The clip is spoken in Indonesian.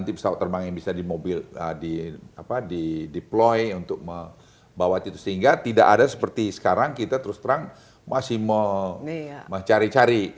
nanti pesawat terbang yang bisa di deploy untuk membawa itu sehingga tidak ada seperti sekarang kita terus terang masih mencari cari